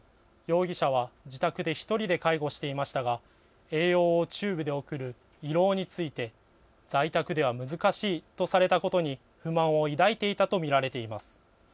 容疑者は自宅で１人で介護していましたが栄養をチューブで送る胃ろうについて在宅では難しいとされたことに不満を抱いていたと見られています。